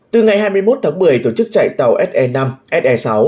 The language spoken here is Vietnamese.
từ ngày hai mươi một tháng một mươi tổ chức chạy tàu se năm se sáu